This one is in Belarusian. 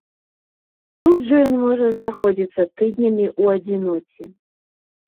Тут жа ён можа заходзіцца тыднямі ў адзіноце.